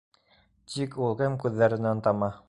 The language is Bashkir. Тик ул кем күҙҙәренән тама?